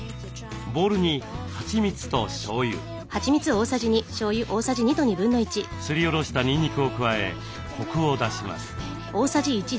ボウルにはちみつとしょうゆすりおろしたにんにくを加えコクを出します。